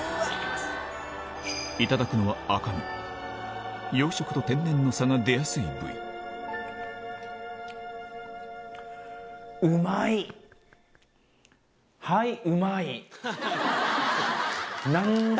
いただくのは養殖と天然の差が出やすい部位何だ？